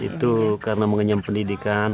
itu karena mengenyam pendidikan